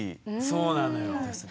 そうなのよ。